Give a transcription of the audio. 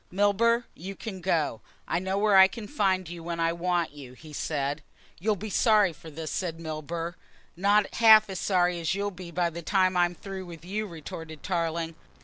"Milburgh, you can go. I know where I can find you when I want you," he said. "You'll be sorry for this," said Milburgh. "Not half as sorry as you'll be by the time I'm through with you," retorted Tarling.